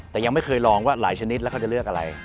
แต่ยังไม่เคยลองว่าหลายชนิดแล้วเขาจะเลือกอะไร